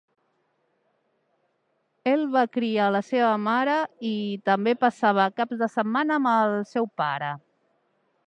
El va criar la seva mare i també passava caps de setmana amb el seu pare.